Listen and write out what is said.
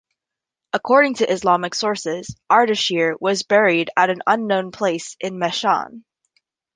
According to Islamic sources, Ardashir was buried at an unknown place in Meshan.